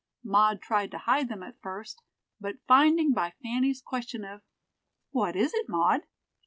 Maud tried to hide them at first, but finding by Fanny's question of "What is it, Maud?"